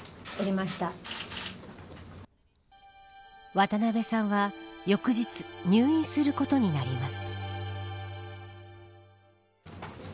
渡辺さんは翌日入院することになります。